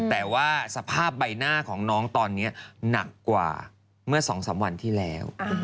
แต่ว่าสภาพใบหน้าของน้องตอนนี้หนักกว่าเมื่อ๒๓วันที่แล้ว